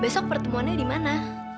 besok pertemuannya dimana